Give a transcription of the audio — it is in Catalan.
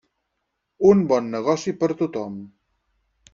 Un bon negoci per tothom.